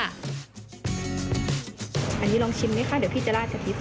อันนี้ลองชิมไหมคะเดี๋ยวพี่จะลาดกระทิช